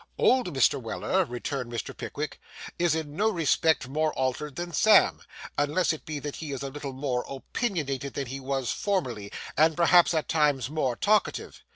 'Old Mr. Weller,' returned Mr. Pickwick, 'is in no respect more altered than Sam, unless it be that he is a little more opinionated than he was formerly, and perhaps at times more talkative.